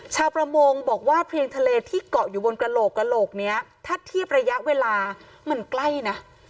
ชาวประมงบอกว่าเพียงทะเลที่เกาะอยู่บนกระโหลกกระโหลกนี้ถ้าเทียบระยะเวลามันใกล้นะ